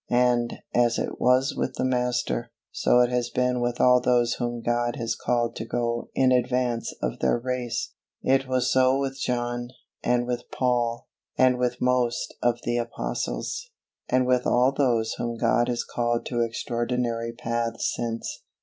_ And, as it was with the Master, so it has been with all those whom God has called to go in advance of their race. It was so with John, and with Paul, and with most of the apostles, and with all those whom God has called to extraordinary paths since.